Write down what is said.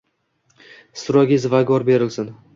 — Strogiy vigovor berilsin!